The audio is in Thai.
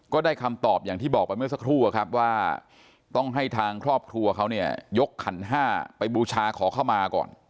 ก็ได้คำตอบอย่างที่บอกไปเมื่อสักครู่อะครับว่าต้องให้ทางครอบครัวเขาเนี่ยยกขันห้าไปบูชาขอเข้ามาก่อน